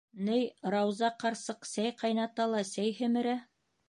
Ней Рауза ҡарсыҡ сәй ҡайната ла сәй һемерә...